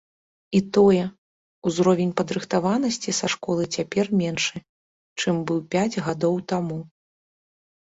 І тое, узровень падрыхтаванасці са школы цяпер меншы, чым быў пяць гадоў таму.